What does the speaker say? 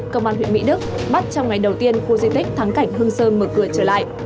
công an huyện mỹ đức bắt trong ngày đầu tiên khu di tích thắng cảnh hương sơn mở cửa trở lại